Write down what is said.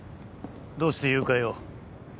どうして誘拐を？